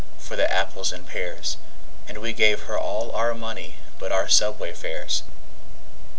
for the apples and pears, And we gave her all our money but our subway fares.